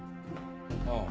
ああ。